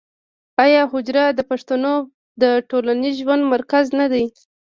آیا حجره د پښتنو د ټولنیز ژوند مرکز نه دی؟